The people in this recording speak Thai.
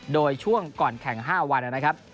โดยช่วงก่อนแข่ง๕วันนะครับ